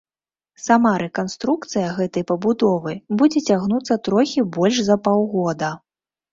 Сама рэканструкцыя гэтай пабудовы будзе цягнуцца трохі больш за паўгода.